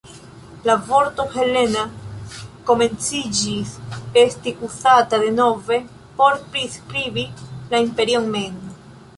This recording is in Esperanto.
La vorto "Helena" komenciĝis esti uzata denove por priskribi la imperion mem.